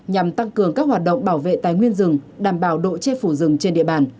nhằm tăng cường các hoạt động bảo vệ tài nguyên rừng đảm bảo độ che phủ rừng trên địa bàn